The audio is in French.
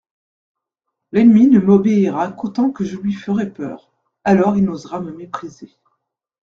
L'ennemi ne m'obéira qu'autant que je lui ferai peur, alors il n'osera me mépriser.